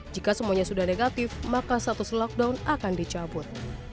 jika semuanya sudah negatif maka status lockdown akan dicabut